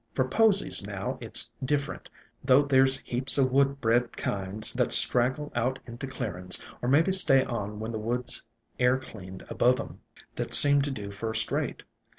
For posies now it 's dif ferent, though there 's heaps o' wood bred kinds that straggle out into clearin's, or mebbe stay on when the woods air cleaned above 'em, that seem to do first rate.